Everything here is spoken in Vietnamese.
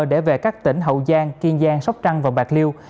để về các tỉnh hậu giang kiên giang sóc trăng và bạc liêu